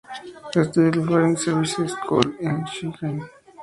Estudió en el "Foreign Service School" en Shenyang.